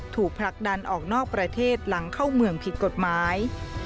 ผลักดันออกนอกประเทศหลังเข้าเมืองผิดกฎหมาย